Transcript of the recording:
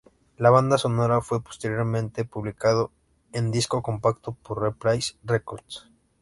La banda sonora fue posteriormente publicado en disco compacto por Reprise Records.